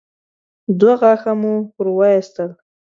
دوه غاښه مو ور وايستل.